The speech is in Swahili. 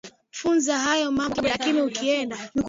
funza hayo mambo kidogo lakini ukienda